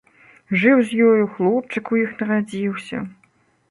Жыў з ёю, хлопчык у іх нарадзіўся.